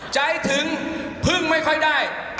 ใจถึงพึ่งไม่ค่อยได้